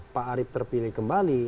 pak arief terpilih kembali